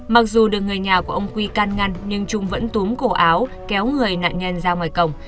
mặc dù được người nhà của ông quy can ngăn nhưng trung vẫn túm cổ áo kéo người nạn nhân ra ngoài cổng